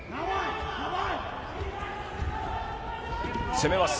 攻めます。